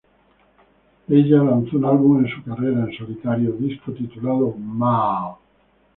Ella lanzó un álbum en su carrera en solitario, disco titulado "Maa".